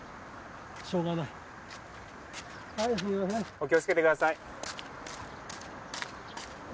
お気をつけてください。